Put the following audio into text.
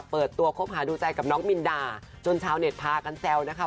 เปิดตัวคบหาดูใจกับน้องมินดาจนชาวเน็ตพากันแซวนะคะ